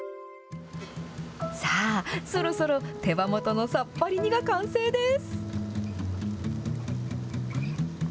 さあ、そろそろ手羽元のさっぱり煮が完成です。